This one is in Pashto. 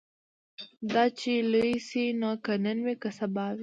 دا چي لوی سي نو که نن وي که سبا وي